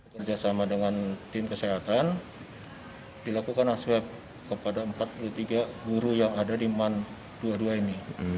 kerjasama dengan tim kesehatan dilakukan swab kepada empat puluh tiga guru yang ada di man dua puluh dua ini